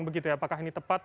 begitu ya apakah ini tepat